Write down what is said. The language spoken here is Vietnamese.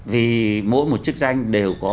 vì mỗi một chức danh đều có